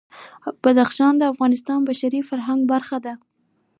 بدخشان د افغانستان د بشري فرهنګ برخه ده.